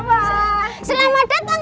mas al sama ibu udah dateng